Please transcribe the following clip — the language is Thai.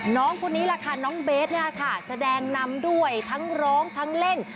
น้องคนนี้แหละค่ะน้องเบสเนี่ยค่ะแสดงนำด้วยทั้งร้องทั้งเล่น